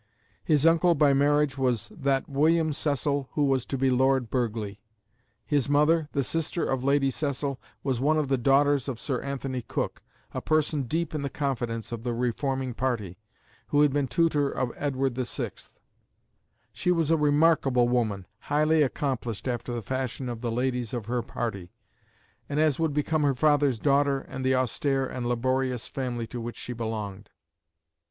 His uncle by marriage was that William Cecil who was to be Lord Burghley. His mother, the sister of Lady Cecil, was one of the daughters of Sir Antony Cook, a person deep in the confidence of the reforming party, who had been tutor of Edward VI. She was a remarkable woman, highly accomplished after the fashion of the ladies of her party, and as would become her father's daughter and the austere and laborious family to which she belonged.